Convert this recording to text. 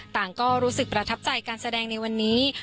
ต่างก็รู้สึกประทับใจการแสดงในวันนี้